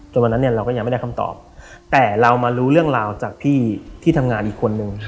วันนั้นเนี่ยเราก็ยังไม่ได้คำตอบแต่เรามารู้เรื่องราวจากพี่ที่ทำงานอีกคนนึง